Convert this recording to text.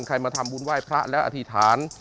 ใครมาทำบุญไหว้พระแล้วอธิษฐาน